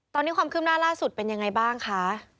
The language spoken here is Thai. ตอนนี้ความคืบหน้าล่าสุดเป็นยังไงบ้างคะ